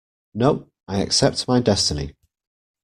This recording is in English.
No, I accept my destiny.